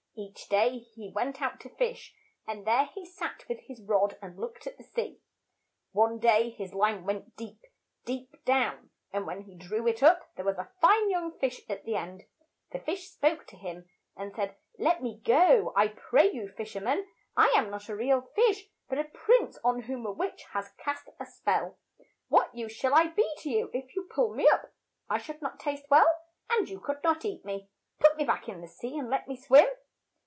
Each day he went out to fish, and there he sat with his rod and looked at the sea. One day his line went deep, deep down, and when he drew it up there was a fine young fish at the end. The fish spoke to him, and said, "Let me go, I pray you, fish er man; I am not a real fish, but a prince on whom a witch has cast a spell. What use shall I be to you if you pull me up? I should not taste well, and you could not eat me. Put me back in the sea and let me swim."